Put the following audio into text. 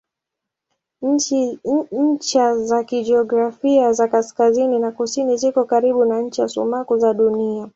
Ncha za kijiografia za kaskazini na kusini ziko karibu na ncha sumaku za Dunia.